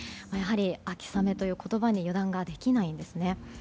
秋雨という言葉に油断ができないんですね。